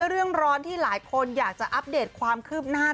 เรื่องร้อนที่หลายคนอยากจะอัปเดตความคืบหน้า